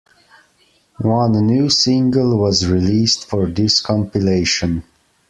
One new single was released for this compilation.